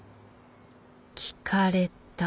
聞かれた？